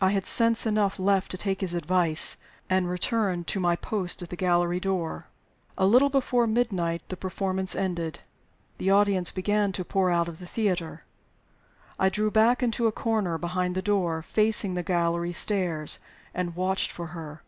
I had sense enough left to take his advice, and return to my post at the gallery door. A little before midnight the performance ended. The audience began to pour out of the theater. I drew back into a corner behind the door, facing the gallery stairs, and watched for her.